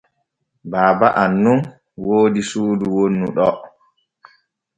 Baaba am nun woodi suudu wonnu ɗo.